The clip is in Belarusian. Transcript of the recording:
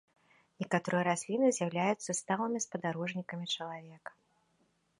Некаторыя расліны з'яўляюцца сталымі спадарожнікамі чалавека.